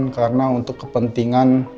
karena untuk kepentingan